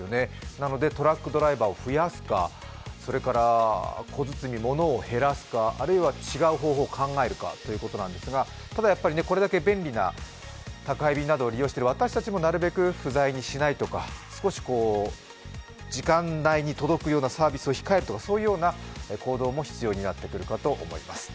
なのでトラックドライバーを増やすかそれから小包、物を減らすかあるいは違う方法を考えるかということですが、ただこれだけ便利な宅配便などを利用している私たちもなるべく不在にしないとか時間内に届くサービスを控えるとかの行動も必要になってくると思います。